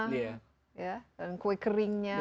dan kue keringnya